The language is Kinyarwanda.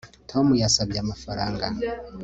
Tom yasabye amafaranga